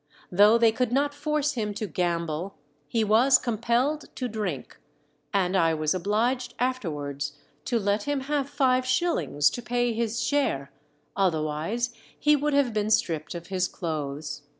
Though they could not force him to gamble, he was compelled to drink, and I was obliged afterwards to let him have five shillings to pay his share, otherwise he would have been stripped of his clothes."